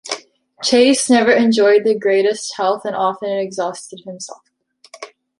Chase never enjoyed the greatest health and often exhausted himself.